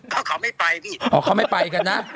เกิดไม่ใช่แบบนี้เหรอคำไม่ไปกันนะ